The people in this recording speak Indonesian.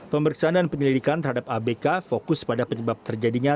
pemeriksaan dan penyelidikan terhadap abk fokus pada penyebab terjadinya